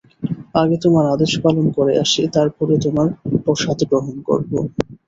আগে তোমার আদেশ পালন করে আসি, তার পরে তোমার প্রসাদ গ্রহণ করব।